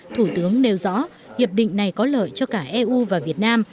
thủ tướng nêu rõ hiệp định này có lợi cho cả eu và việt nam